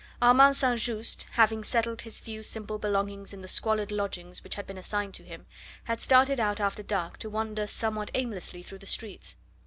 Armand St. Just, having settled his few simple belongings in the squalid lodgings which had been assigned to him, had started out after dark to wander somewhat aimlessly through the streets.